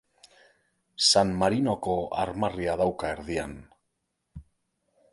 San Marinoko armarria dauka erdian.